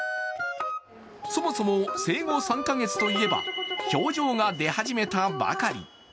そもそも、生後３か月といえば表情が出始めたばかり。